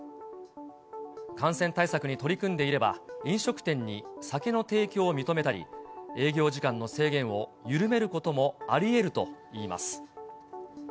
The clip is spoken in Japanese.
感染対策に取り組んでいれば、飲食店に酒の提供を認めたり、営業時間の制限を緩めることもありえるといいます。